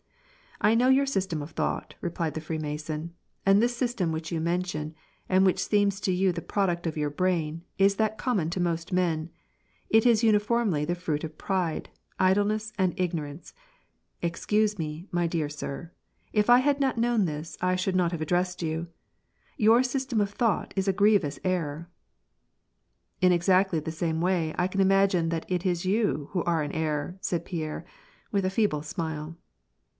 " I know your system of thought," replied the Freemason, " and this system which you mention, and which seems to you the product of your brain, is that common to most men ; it is uniformly the fruit. of pride, idleness, and ignorance. Excuse me, my dear sir, if I had not known this, I should not have addressed you. Your system of thought is a grievous error." " In exactly the same way, I can imagine that it is you who are in error," said Pierre, with a feeble smile.